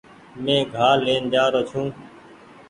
مينٚ گھاه لين جآرو ڇوٚنٚ